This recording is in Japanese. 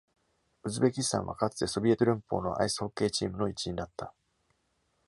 ウズベキスタンは、かつてソビエト連邦のアイスホッケーチームの一員だった。